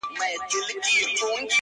وني وویل پر ملا ځکه ماتېږم-